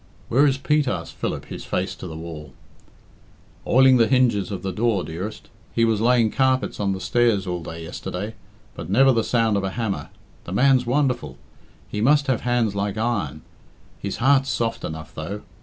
"Where is Pete?" asked Philip, his face to the wall. "Oiling the hinges of the door, dearest. He was laying carpets on the stairs all day yesterday. But never the sound of a hammer. The man's wonderful. He must have hands like iron. His heart's soft enough, though.